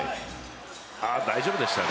大丈夫でしたね。